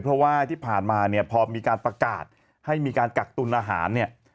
เพราะว่าที่ผ่านมาเนี่ยพอมีการประกาศให้มีการกักตุลอาหารเนี่ย